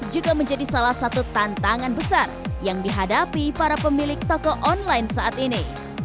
juga menjadi salah satu tantangan besar yang dihadapi para pemilik toko online saat ini